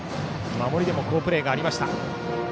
守りでも好プレーがありました。